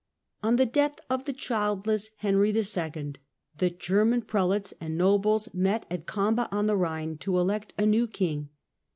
On the death of the childless Henry IT. the German 1024 1039 pi^elates and nobles met at Kamba on the Ehine to elect a new king.